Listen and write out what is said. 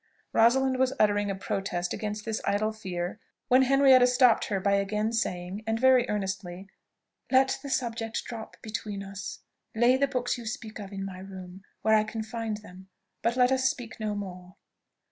Rosalind was uttering a protest against this idle fear, when Henrietta stopped her by again saying, and very earnestly, "Let the subject drop between us; lay the books you speak of in my room, where I can find them, but let us speak no more."